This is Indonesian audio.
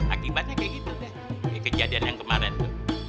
akibatnya kayak gitu deh kejadian yang kemarin tuh